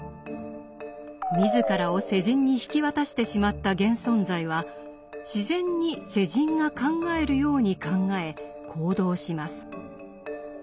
自らを世人に引き渡してしまった現存在は自然に世人が考えるように考え行動します。